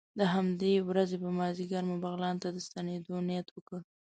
د همدې ورځې په مازدیګر مو بغلان ته د ستنېدو نیت وکړ.